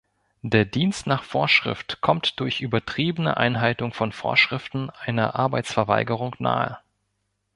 Der Dienst nach Vorschrift kommt durch übertriebene Einhaltung von Vorschriften einer Arbeitsverweigerung nahe.